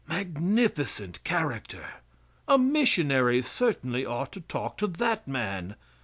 Magnificent character! A missionary certainly ought to talk to that man.